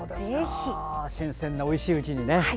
新鮮なおいしいうちにね。